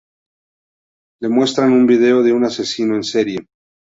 Le muestran un vídeo de un asesino en serie.